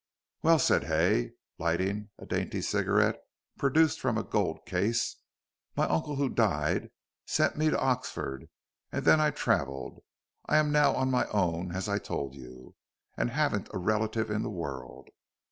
"Well," said Hay, lighting a dainty cigarette produced from a gold case, "my uncle, who died, sent me to Oxford and then I travelled. I am now on my own, as I told you, and haven't a relative in the world."